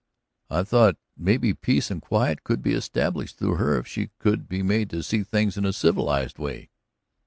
"I thought maybe peace and quiet could be established through her if she could be made to see things in a civilized way."